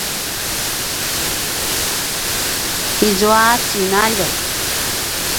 izua tjinaljek?